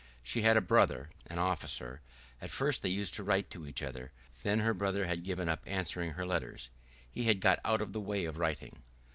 She had a brother, an officer; at first they used to write to each other, then her brother had given up answering her letters, he had got out of the way of writing.